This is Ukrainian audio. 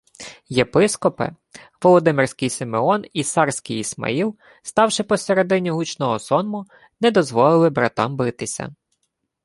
Єпископи, Володимирський Симеон і Сарський Ісмаїл, ставши посередині гучного сонму, не дозволили братам битися